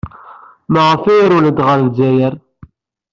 Maɣef ay rewlent ɣer Lezzayer?